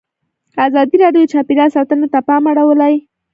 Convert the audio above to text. ازادي راډیو د چاپیریال ساتنه ته پام اړولی.